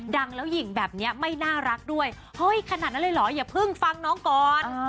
ดังแล้วหญิงแบบนี้ไม่น่ารักด้วยเฮ้ยขนาดนั้นเลยเหรออย่าเพิ่งฟังน้องก่อน